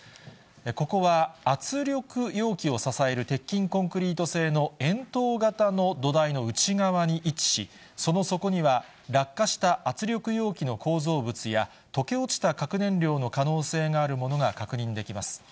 ここは圧力容器を支える鉄筋コンクリート製の円筒形の土台の内側に位置し、その底には、落下した圧力容器の構造物や、溶け落ちた核燃料の可能性があるものが確認できます。